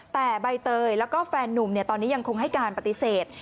แต่ใบเตยแล้วก็แฟนนุ่มตอนนี้ยังคงให้การปฏิเสธ